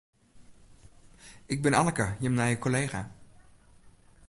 Ik bin Anneke, jim nije kollega.